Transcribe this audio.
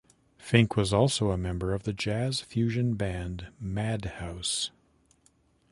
Fink was also a member of the jazz-fusion band Madhouse.